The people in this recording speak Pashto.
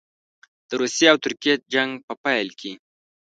د روسیې او ترکیې جنګ په پیل کې.